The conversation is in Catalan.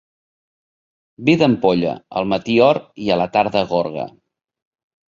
Vi d'ampolla, al matí or i a la tarda gorga.